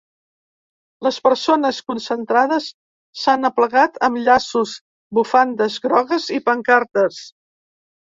Les persones concentrades s’han aplegat amb llaços, bufandes grogues i pancartes.